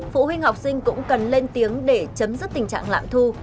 phụ huynh học sinh cũng cần lên tiếng để chấm dứt tình trạng lạm thu